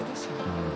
うん。